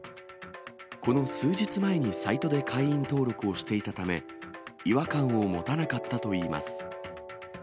この数日前にサイトで会員登録をしていたため、違和感を持たなかったといいます。